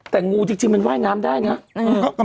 แต่งูจริงมันว่ายน้ำได้นะ